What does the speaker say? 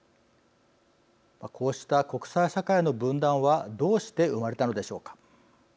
こうした国際社会の分断はどうして生まれたのでしょうか。